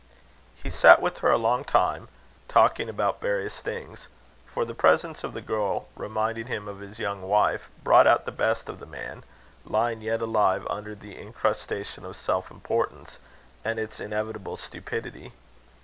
He sat with her a long time, talking about various things; for the presence of the girl, reminding him of his young wife, brought out the best of the man, lying yet alive under the incrustation of self importance, and its inevitable stupidity.